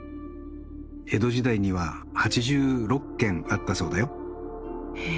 江戸時代には８６軒あったそうだよ。へえ。